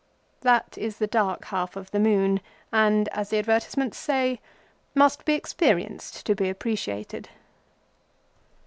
That is the dark half of the moon, and, as the advertisements say, "must be experienced to be appreciated."